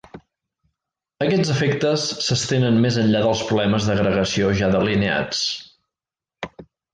Aquests efectes s'estenen més enllà dels problemes d'agregació ja delineats.